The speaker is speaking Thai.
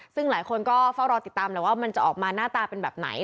ซึ่งหลายคนก็เฝ้ารอติดตามแล้วว่ามันจะออกมาหน้าตาเป็นแบบไหน